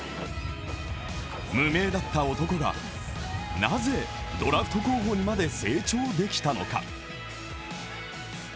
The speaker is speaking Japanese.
無名だった男が、なぜドラフト候補まで成長できたのか。